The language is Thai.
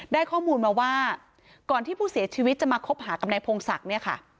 ได้ข้อมูลมาว่าก่อนที่ผู้เสียชีวิตจะมาคบหากับนายพงศักดิ์เนี่ยค่ะ